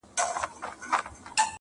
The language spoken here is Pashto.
زه او ته یو په قانون له یوه کوره؛